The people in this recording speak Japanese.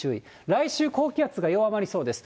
来週高気圧が弱まりそうです。